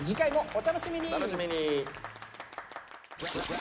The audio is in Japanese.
お楽しみに。